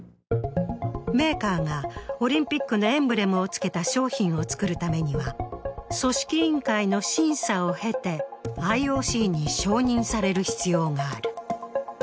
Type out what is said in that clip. メーカーがオリンピックのエンブレムをつけた商品を作るためには組織委員会の審査を経てＩＯＣに承認される必要がある。